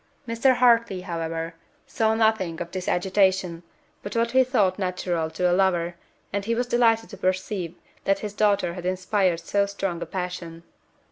Mr. Hartley, however, saw nothing in this agitation but what he thought natural to a lover, and he was delighted to perceive that his daughter had inspired so strong a passion.